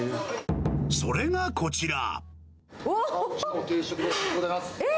それがこちら。